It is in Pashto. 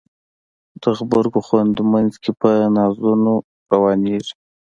د غبرګو خویندو مینځ کې په نازونو روانیږي